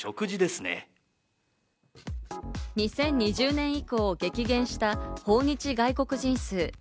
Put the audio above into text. ２０２０年以降激減した訪日外国人数。